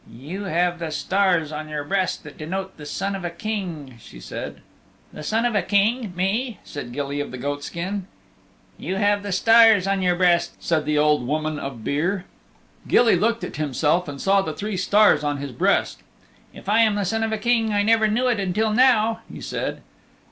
"You have the stars on your breast that denote the Son of a King," she said. "The Son of a King me!" said Gilly of the Goatskin. "You have the stars on your breast," said the Old Woman of Beare. Gilly looked at himself and saw the three stars on his breast. "If I am the Son of a King I never knew it until now," he said.